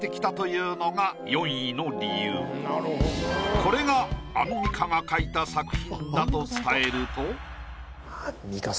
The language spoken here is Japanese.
これがアンミカが描いた作品だと伝えると。